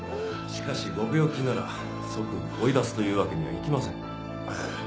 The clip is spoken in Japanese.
しかしご病気なら即追い出すというわけにはいきません。